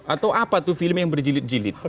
atau apa tuh film yang berjilid jilid